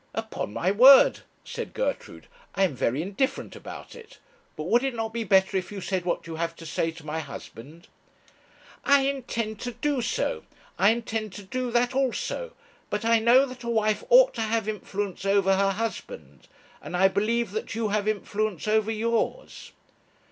'Upon my word,' said Gertrude, 'I am very indifferent about it. But would it not be better if you said what you have to say to my husband?' 'I intend to do so. I intend to do that also. But I know that a wife ought to have influence over her husband, and I believe that you have influence over yours.'